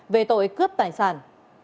về tội cướp tài sản